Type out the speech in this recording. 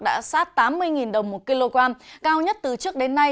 đã sát tám mươi đồng một kg cao nhất từ trước đến nay